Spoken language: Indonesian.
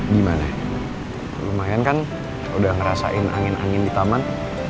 gimana lumayan kan udah ngerasain angin angin di taman